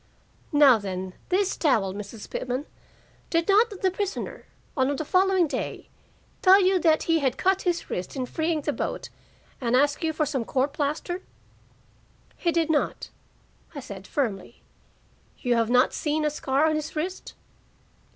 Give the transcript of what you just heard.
"Now then, this towel, Mrs. Pitman. Did not the prisoner, on the following day, tell you that he had cut his wrist in freeing the boat, and ask you for some court plaster?" "He did not," I said firmly. "You have not seen a scar on his wrist?"